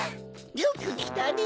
よくきたね